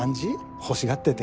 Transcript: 欲しがってて。